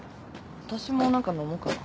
わたしも何か飲もうかな。